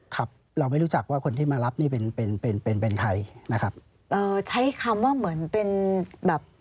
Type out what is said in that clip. ครับเราไม่รู้จักว่าคนที่มารับนี่เป็นเป็นเป็นเป็นเป็นไทยนะครับเอ่อใช้คำว่าเหมือนเป็นแบบ